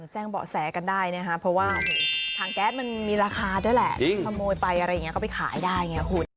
แจ้งเบาะแสกันได้นะครับเพราะว่าถังแก๊สมันมีราคาด้วยแหละขโมยไปอะไรอย่างนี้ก็ไปขายได้ไงคุณ